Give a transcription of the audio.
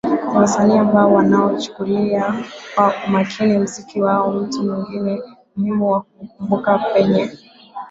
Ni wasanii ambao wanauchukulia kwa umakini muziki wao Mtu mwingine muhimu wa kumkumbuka kwenye